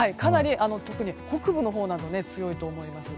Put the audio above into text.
北部のほうなど強いと思います。